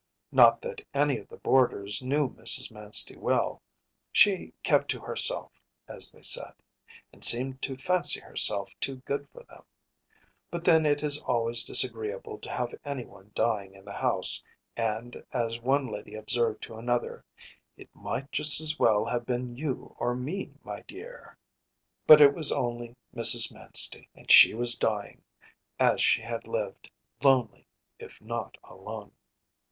Not that any of the boarders knew Mrs. Manstey well; she “kept to herself,‚ÄĚ as they said, and seemed to fancy herself too good for them; but then it is always disagreeable to have anyone dying in the house and, as one lady observed to another: “It might just as well have been you or me, my dear.‚ÄĚ But it was only Mrs. Manstey; and she was dying, as she had lived, lonely if not alone.